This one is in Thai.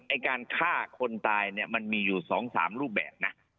ไอ้การฆ่าคนตายเนี่ยมันมีอยู่๒๓รูปแบบนะ